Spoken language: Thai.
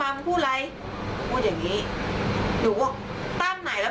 ฉันก็คิดว่าตั้มไหนแล้วค่ะ